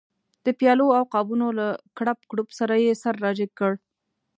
د پیالو او قابونو له کړپ کړوپ سره یې سر را جګ کړ.